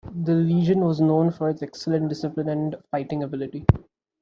The Legion was known for its excellent discipline and fighting ability.